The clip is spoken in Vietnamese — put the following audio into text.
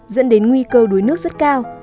dẫn đến nguy cơ đuối nước rất cao